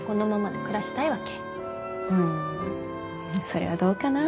それはどうかな。